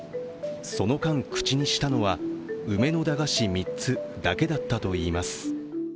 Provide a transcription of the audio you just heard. その間、口にしたのは梅の駄菓子３つだけだったといいます。